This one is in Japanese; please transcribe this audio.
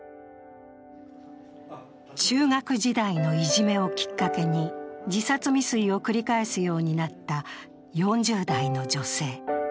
中学時代のいじめをきっかけに自殺未遂を繰り返すようになった４０代の女性。